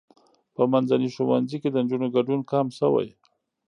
په منځني ښوونځي کې د نجونو ګډون کم شوی.